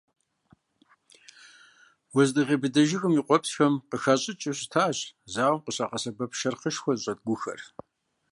Уэздыгъей быдэ жыгым и къуэпсхэм къыхащӀыкӀыу щытащ зауэм къыщагъэсэбэп, шэрхъышхуэ зыщӀэт гухэр.